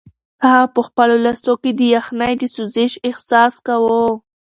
هغه په خپلو لاسو کې د یخنۍ د سوزش احساس کاوه.